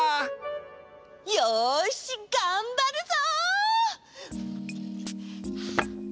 よしがんばるぞ！